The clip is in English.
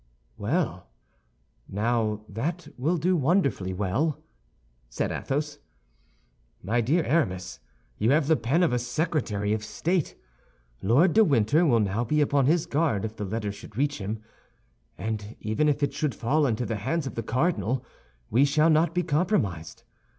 "Well, now that will do wonderfully well," said Athos. "My dear Aramis, you have the pen of a secretary of state. Lord de Winter will now be upon his guard if the letter should reach him; and even if it should fall into the hands of the cardinal, we shall not be compromised.